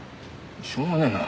しょうがねえな。